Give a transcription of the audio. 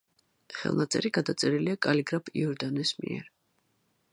ხელნაწერი გადაწერილია კალიგრაფ იორდანეს მიერ.